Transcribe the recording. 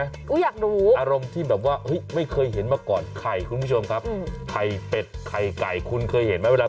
อะรองที่ไม่เคยเห็นมาก่อนไข่ไข่เป็ดไข่ไก่คุณเคยเห็นไหม